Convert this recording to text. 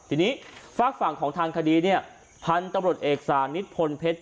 ทีนี้ฟากฝั่งของทางคดีเนี่ยพันตบรุษเอกสารนิดพลเพชร